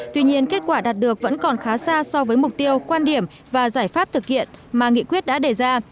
tuy nhiên kết quả đạt được vẫn còn khá xa so với mục tiêu quan điểm và giải pháp thực hiện mà nghị quyết đã đề ra